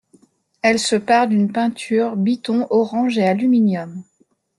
Elle se pare d'une peinture bi-ton orange et aluminium.